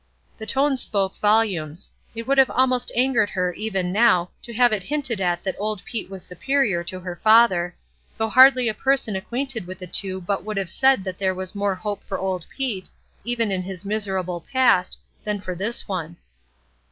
The tone spoke volumes. It would have almost angered her, even now, to have had it hinted that old Pete was superior to that father, though hardly a person acquainted with the two but would have said that there was more hope for old Pete, even in his miserable past, than for this one.